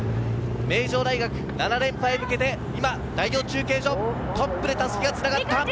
名城大学７連覇へ向けて、今、第４中継所トップで襷が繋がった。